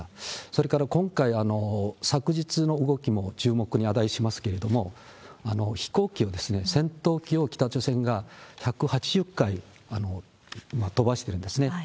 それから今回、昨日の動きも注目に値しますけれども、飛行機を、戦闘機を北朝鮮が１８０回飛ばしてるんですね。